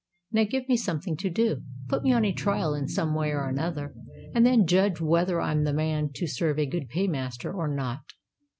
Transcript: Now give me something to do—put me on trial in some way or another—and then judge whether I am the man to serve a good paymaster, or not."